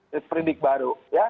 sepilik baru ya